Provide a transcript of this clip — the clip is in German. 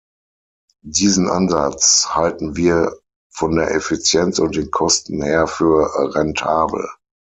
Diesen Ansatz halten wir von der Effizienz und den Kosten her für rentabel.